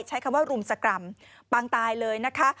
ใช้คำว่ารุมสกรรมปางตายเลยนะคะ